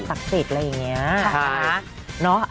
กับสับสิทธิ์อะไรอย่างเงี้ยค่ะเนาะ